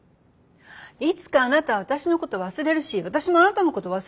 いつかあなたは私のことを忘れるし私もあなたのことを忘れる。